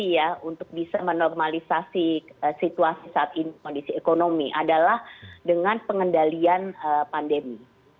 ya kami melihat salah satu kondisi ya untuk bisa menormalisasi situasi saat ini kondisi ekonomi adalah dengan pengendalian pandemi